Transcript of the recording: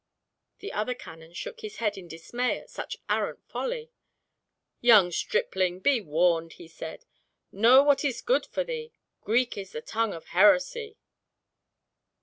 The other canon shook his head in dismay at such arrant folly. "Young stripling, be warned," he said. "Know what is good for thee. Greek is the tongue of heresy."